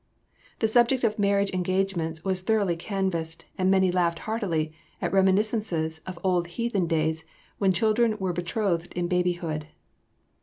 The subject of marriage engagements was thoroughly canvassed, and many laughed heartily at reminiscences of old heathen days when children were betrothed in babyhood."